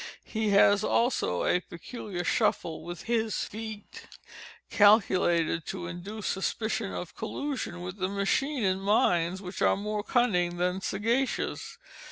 He has also a peculiar shuffle with his feet, calculated to induce suspicion of collusion with the machine in minds which are more cunning than sagacious.